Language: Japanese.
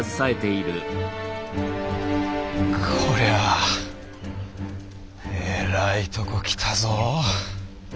こりゃあえらいとこ来たぞ。